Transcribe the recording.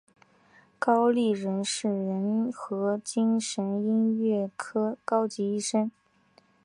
高立仁是仁和医院精神科高级医生。